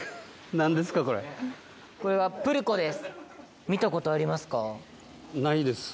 これはプレコです。